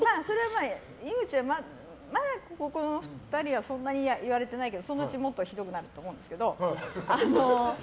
まだここの２人はそんなに言われてないけどそのうち、もっとひどくなると思うんですけど。